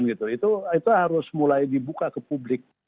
itu harus mulai dibuka ke publik